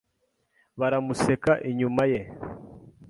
Baramuseka inyuma ye.